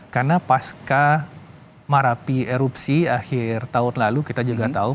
karena paska merapi erupsi akhir tahun lalu kita juga tahu